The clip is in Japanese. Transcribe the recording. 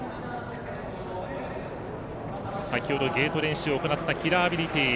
先ほどゲート練習を行ったキラーアビリティ。